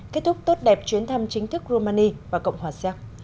kết thúc tốt đẹp chuyến thăm chính thức rumani và cộng hòa xéc